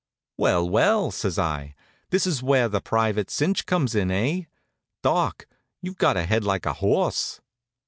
"Well, well!" says I. "This is where the private cinch comes in, eh? Doc, you've got a head like a horse."